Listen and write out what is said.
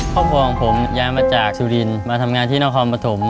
ครอบครัวของผมย้ายมาจากสุรินมาทำงานที่นครปฐม